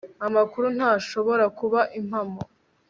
amakuru ntashobora kuba impamo